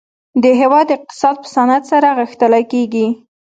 د هیواد اقتصاد په صنعت سره غښتلی کیږي